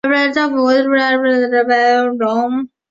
丈夫为前高级警司谭德荣。